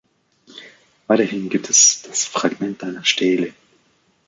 Weiterhin gibt es das Fragment einer Stele.